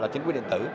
chính quyền điện tử